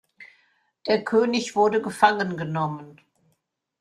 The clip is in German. Der König wurde gefangen genommen.